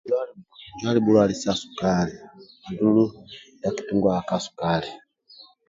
Injo ali bhulwali sa sukali ndulu bhaki tungaga ka sukali